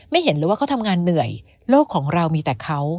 เห็นเลยว่าเขาทำงานเหนื่อยโลกของเรามีแต่เขา